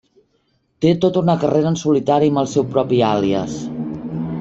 Té tota una carrera en solitari amb el seu propi àlies.